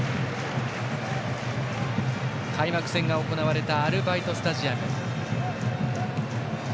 開幕戦が行われたアルバイトスタジアム。